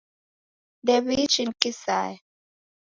Ndew'iichi ni kisaya.